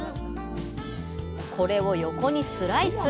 これを横にスライス。